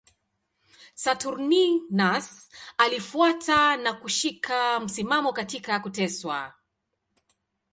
Saturninus alifuata na kushika msimamo katika kuteswa.